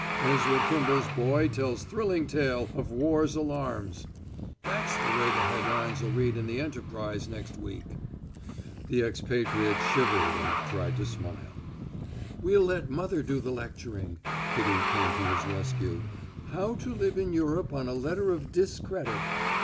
'Ezra Kimball's Boy Tells Thrilling Tale of War's Alarms.' That's the way the head lines'll read in the Enterprise next week." The expatriate shivered and tried to smile. "We'll let mother do the lecturing," Kitty came to his rescue. "'How to Live in Europe on a Letter of Discredit.'